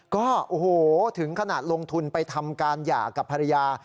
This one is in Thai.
ก็โอ้โหถึงขนาดลงทุนไปทำการหย่ากับภรรยา